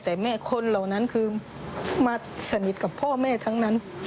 แต่แม่คนเหล่านั้นคือมาสนิทกับพ่อแม่ทั้งนั้น